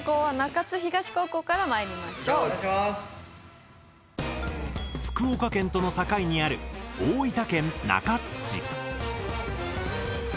さあそれでは福岡県との境にある大分県中津市。